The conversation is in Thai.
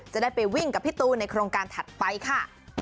จะได้ไปวิ่งกับพี่ตูนในโครงการถัดไปค่ะ